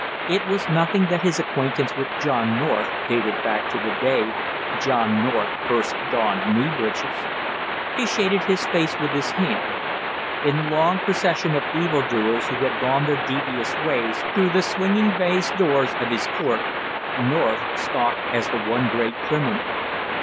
It was nothing that his acquaintance with John North dated back to the day John North first donned knee breeches. He shaded his face with his hand. In the long procession of evil doers who had gone their devious ways through the swinging baize doors of his court, North stalked as the one great criminal.